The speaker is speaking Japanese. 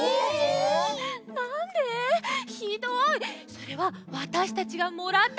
それはわたしたちがもらった